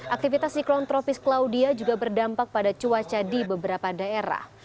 aktivitas siklon tropis claudia juga berdampak pada cuaca di beberapa daerah